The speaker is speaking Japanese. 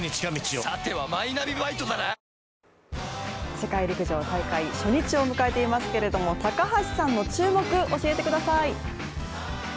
世界陸上大会初日を迎えていますけれども高橋さんの注目、教えてください！